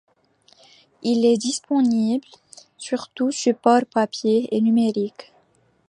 Il est disponible sur tous supports papier et numériques.